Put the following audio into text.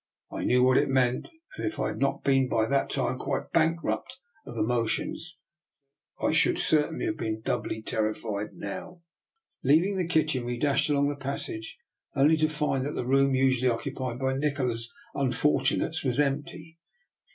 I knew what it meant, and if I had DR. NIKOLA'S EXPERIMENT. 303 not been by that time quite bankrupt of emo tions I should certainly have been doubly ter rified now. Leaving the kitchen, we dashed along the passage, only to find that the room usually occupied by Nikola's unfortunates was empty.